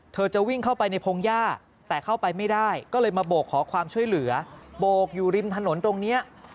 จะวิ่งเข้าไปในพงหญ้าแต่เข้าไปไม่ได้ก็เลยมาโบกขอความช่วยเหลือโบกอยู่ริมถนนตรงนี้